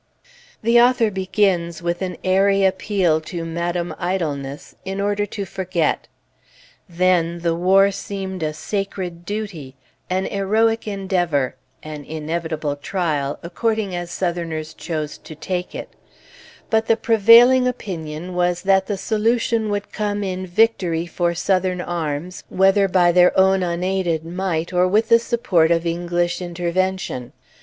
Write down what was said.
The author begins with an airy appeal to Madame Idleness in order to forget. Then, the war seemed a sacred duty, an heroic endeavor, an inevitable trial, according as Southerners chose to take it; but the prevailing opinion was that the solution would come in victory for Southern arms, whether by their own unaided might or with the support of English intervention.